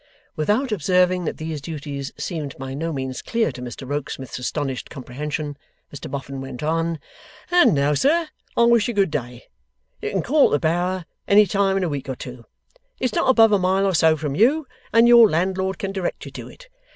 Without observing that these duties seemed by no means clear to Mr Rokesmith's astonished comprehension, Mr Boffin went on: 'And now, sir, I'll wish you good day. You can call at the Bower any time in a week or two. It's not above a mile or so from you, and your landlord can direct you to it.